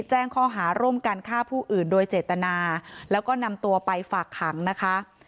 แจ้งข้อหาร่วมกันฆ่าผู้อื่นโดยเจตนาแล้วก็นำตัวไปฝากขังนะคะ